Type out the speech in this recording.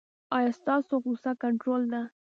ایا ستاسو غوسه کنټرول ده؟